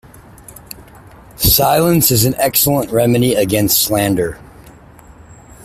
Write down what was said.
Silence is an excellent remedy against slander.